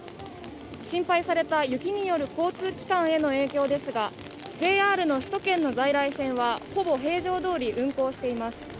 心配された雪による交通機関への影響ですがＪＲの首都圏の在来線はほぼ平常どおり運行しています。